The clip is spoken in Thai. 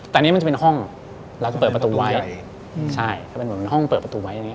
แต่อันนี้มันจะเป็นห้องเราจะเปิดประตูไว้ใช่ถ้าเป็นเหมือนห้องเปิดประตูไว้อย่างนี้